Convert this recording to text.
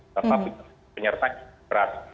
sampai penyertaan berat